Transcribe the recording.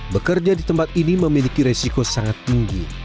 bekerja di tempat ini memiliki resiko sangat tinggi